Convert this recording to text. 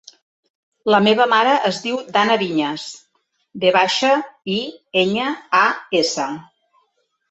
La meva mare es diu Dana Viñas: ve baixa, i, enya, a, essa.